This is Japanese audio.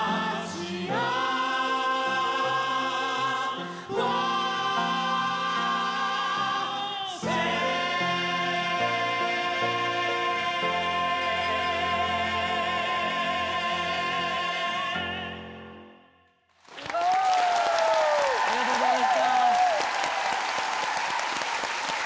すげぇな！ありがとうございました！